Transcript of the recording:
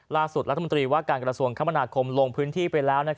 รัฐมนตรีว่าการกระทรวงคมนาคมลงพื้นที่ไปแล้ว